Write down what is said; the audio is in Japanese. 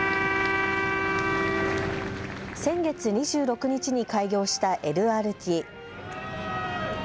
先月２６日に開業したＬＲＴ。